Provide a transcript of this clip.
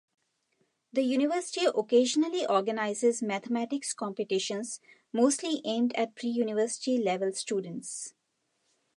The University occasionally organizes mathematics competitions, mostly aimed at pre-university level students.